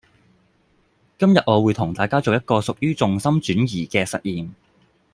今日我會同大家做一個屬於重心轉移嘅實驗